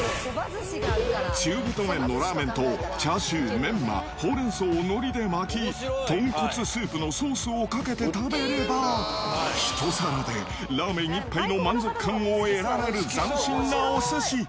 中太麺のラーメンとチャーシュー、メンマ、ホウレンソウをノリで巻き、豚骨スープのソースをかけて食べれば、１皿でラーメン１杯の満足感を得られる斬新なお寿司。